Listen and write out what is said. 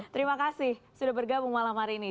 terima kasih sudah bergabung malam hari ini